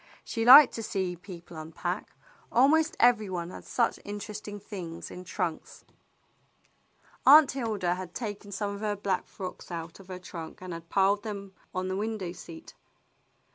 She liked to see people unpack. Almost every one had such inter esting things in trunks. le THE BLUE AUNT Aunt Hilda had taken some of her black frocks out of her trunk and had piled them on the window seat.